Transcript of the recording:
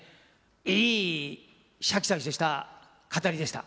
いいシャキシャキとした語りでした。